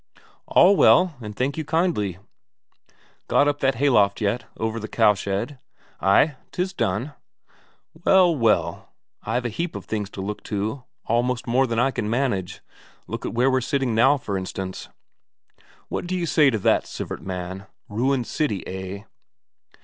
"All well, and thank you kindly." "Got up that hayloft yet, over the cowshed?" "Ay, 'tis done." "Well, well I've a heap of things to look to, almost more than I can manage. Look at where we're sitting now, for instance. What d'you say to that, Sivert man? Ruined city, eh?